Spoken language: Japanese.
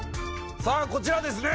さあ、こちらですね